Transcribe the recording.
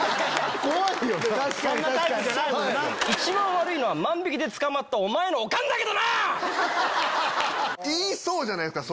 一番悪いのは万引きで捕まったお前のオカンだけどな‼言いそうじゃないですか。